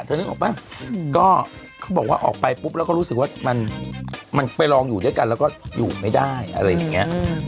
นึกออกป่ะก็เขาบอกว่าออกไปปุ๊บแล้วก็รู้สึกว่ามันไปลองอยู่ด้วยกันแล้วก็อยู่ไม่ได้อะไรอย่างนี้